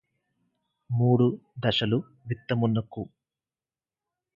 మూడు దశలు విత్తమునకు